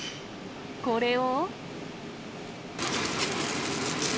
これを。